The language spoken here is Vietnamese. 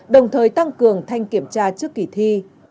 đồng thời tăng cường thanh kiểm tra trước kỳ thi